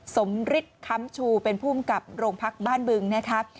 ฤทธิ์ค้ำชูเป็นภูมิกับโรงพักบ้านบึงนะครับ